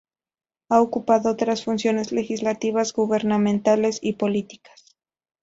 Ha ocupado otras funciones legislativas, gubernamentales y políticas.